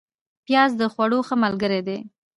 پیاز د خوړو ښه ملګری دی